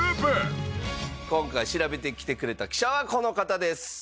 今回調べてきてくれた記者はこの方です。